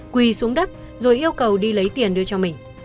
quỳ xuống đất rồi yêu cầu đi lấy tiền đưa cho mình